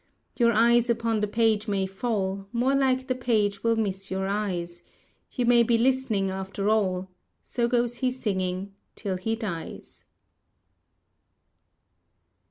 Your eyes upon the page may fall, More like the page will miss your eyes; You may be listening after all, So goes he singing till he dies.